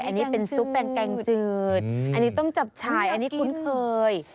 อันนี้เป็นซุปแกงแกงจืดอันนี้ต้มจับฉายอันนี้คุ้นเคย